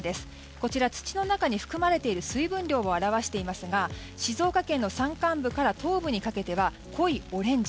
こちら土の中に含まれている水分量を表していますが静岡県の山間部から東部にかけては、濃いオレンジ。